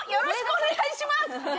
お願いします。